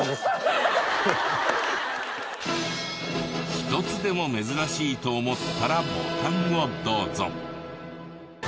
一つでも珍しいと思ったらボタンをどうぞ。